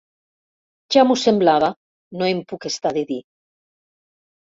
Ja m'ho semblava —no em puc estar de dir.